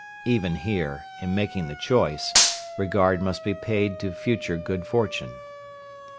Even here, in making the choice, regard must be paid to future good fortune.